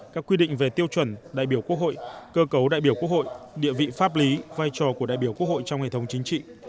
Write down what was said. các quy định về tiêu chuẩn đại biểu quốc hội cơ cấu đại biểu quốc hội địa vị pháp lý vai trò của đại biểu quốc hội trong hệ thống chính trị